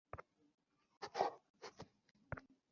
ওদের কিছু মাল নিখোঁজ আর ওরা সেটা খুঁজছে।